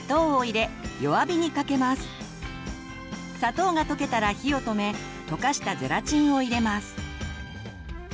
砂糖が溶けたら火を止め溶かしたゼラチンを入れます。